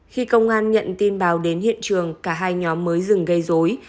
khi công an nhận tin báo đến hiện trường cả hai nhóm mới dừng gây dối